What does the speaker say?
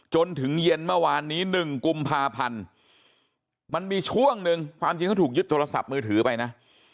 จนถึงเย็นเมื่อวานนี้๑กุมภาพันธ์มันมีช่วงหนึ่งความจริงเขาถูกยึดโทรศัพท์มือถือไปนะ